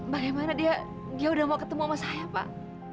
bagaimana dia dia udah mau ketemu sama saya pak